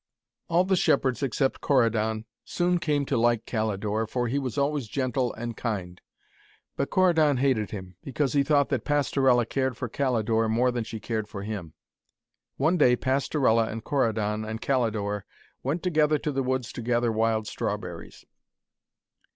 All the shepherds except Corydon soon came to like Calidore, for he was always gentle and kind. But Corydon hated him, because he thought that Pastorella cared for Calidore more than she cared for him. One day Pastorella and Corydon and Calidore went together to the woods to gather wild strawberries.